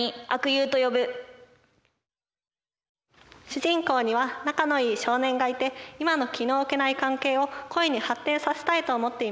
主人公には仲のいい少年がいて今の気の置けない関係を恋に発展させたいと思っています。